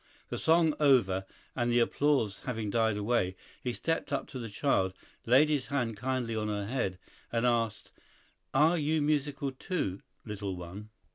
The song over, and the applause having died away, he stepped up to the child, laid his hand kindly on her head, and asked, "Are you musical, too, little one?"